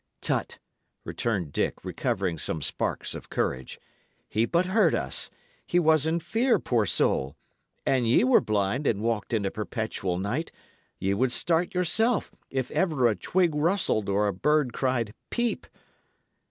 "Tut!" returned Dick, recovering some sparks of courage. "He but heard us. He was in fear, poor soul! An ye were blind, and walked in a perpetual night, ye would start yourself, if ever a twig rustled or a bird cried 'Peep.'"